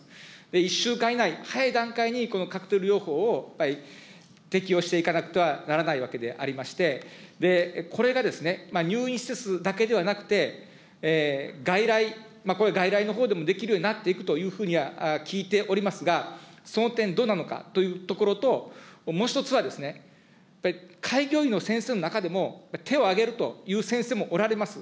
１週間以内、早い段階にこのカクテル療法を適用していかなくてはならないわけでありまして、これが入院施設だけではなくて、外来、外来のほうでもできるようになっていくというふうには聞いておりますが、その点、どうなのかというところと、もう一つはですね、やっぱり開業医の先生の中でも、手を挙げるという先生もおられます。